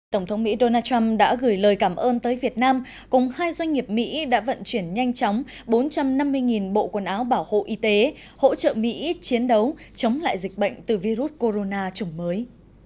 tổng thống mỹ donald trump đã gửi lời cảm ơn tới việt nam cùng hai doanh nghiệp mỹ đã vận chuyển nhanh chóng bốn trăm năm mươi bộ quần áo bảo hộ y tế hỗ trợ mỹ chiến đấu chống lại dịch bệnh từ virus corona chủng mới